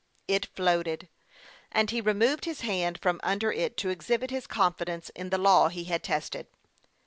It floated, and he removed his hand from under it to exhibit his confidence in the law he had tested.